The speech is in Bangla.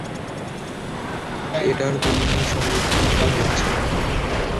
এটার দুনিয়ার সর্বত্র হচ্ছে!